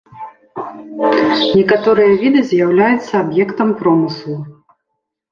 Некаторыя віды з'яўляюцца аб'ектам промыслу.